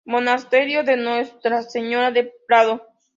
Monasterio de Nuestra Señora de Prado.